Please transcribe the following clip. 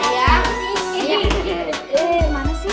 saya mau ke rumah saya